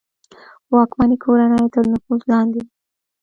واکمنې کورنۍ تر نفوذ لاندې وه.